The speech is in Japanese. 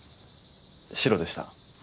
シロでした。